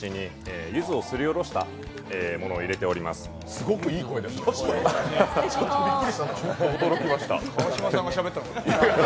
すごくいい声ですね、驚きました。